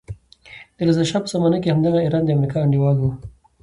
د رضا شا په زمانه کې همدغه ایران د امریکا انډیوال وو.